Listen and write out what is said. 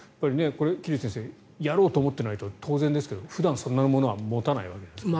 桐生先生やろうと思っていないと当然ですけれど普段そんなものは持たないわけですから。